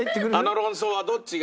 あの論争はどっちが。